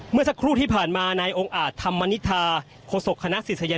เมื่อสักครู่ที่ผ่านมาได้องค์อาจธรรมวานิทา